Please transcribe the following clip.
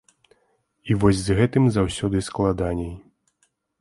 І вось з гэтым заўсёды складаней.